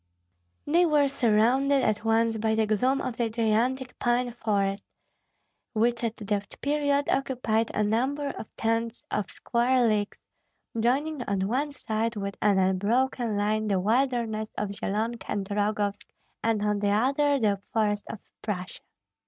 They were surrounded at once by the gloom of the gigantic pine forest, which at that period occupied a number of tens of square leagues, joining on one side with an unbroken line the wilderness of Zyelonka and Rogovsk, and on the other the forests of Prussia.